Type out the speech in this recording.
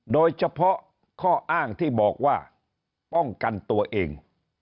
โดยเฉพาะข้ออ้างที่บอกว่าป้องกันตัวเอง